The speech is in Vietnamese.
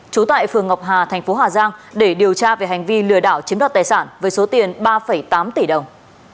trú tại phường ngọc hà thành phố hà giang để điều tra về hành vi lừa đảo chiếm đoạt tài sản với số tiền ba tám tỷ đồng